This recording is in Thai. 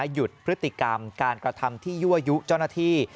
หยุดพฤติกรรมการกระทำที่ยั่วยุเจ้าหน้าที่